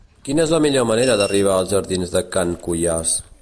Quina és la millor manera d'arribar als jardins de Can Cuiàs?